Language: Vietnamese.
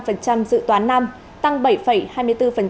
tăng bảy hai mươi bốn dự toán năm